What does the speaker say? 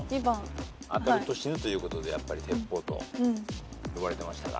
当たると死ぬということで鉄砲と呼ばれてましたから。